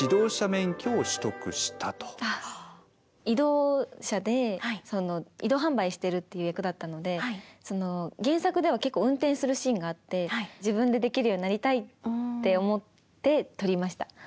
移動車で移動販売してるっていう役だったのでその原作では結構運転するシーンがあって自分でできるようになりたいって思って取りました。